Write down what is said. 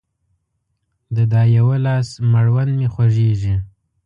د دا يوه لاس مړوند مې خوږيږي